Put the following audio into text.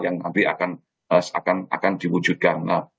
yang nanti akan diwujudkan